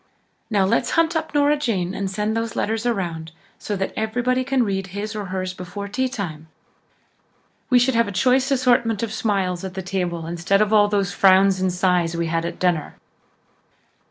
"Now, let's hunt up Nora Jane and send the letters around so that everybody can read his or hers before tea time. We should have a choice assortment of smiles at the table instead of all those frowns and sighs we had at dinner."